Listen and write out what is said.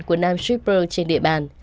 của nam shipper trên địa bàn